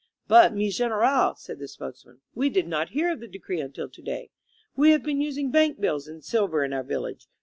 ^^But, mi General,^^ said the spokesman, *Ve did not hear of the decree until to day. We have been using bank bills and silver in our village.